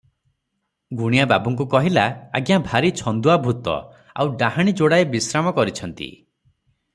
ଗୁଣିଆ ବାବୁଙ୍କୁ କହିଲା, "ଆଜ୍ଞା, ଭାରି ଛନ୍ଦୁଆ ଭୂତ, ଆଉ ଡାହାଣୀ ଯୋଡାଏ ବିଶ୍ରାମ କରିଛନ୍ତି ।